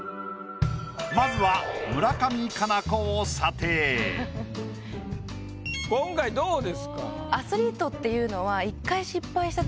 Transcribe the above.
まずは今回どうですか？